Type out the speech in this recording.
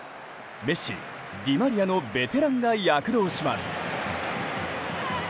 メッシ、ディマリアのベテランが躍動します。